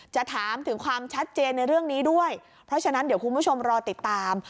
ถามถึงความชัดเจนในเรื่องนี้ด้วยเพราะฉะนั้นเดี๋ยวคุณผู้ชมรอติดตาม